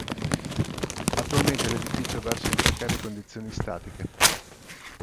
Attualmente l'edificio versa in precarie condizioni statiche.